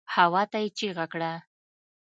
هواته يې چيغه کړه.